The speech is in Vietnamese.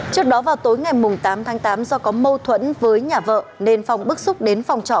trước đó vào tối ngày tám tháng tám do có mâu thuẫn với nhà vợ nên phong bức xúc đến phòng trọ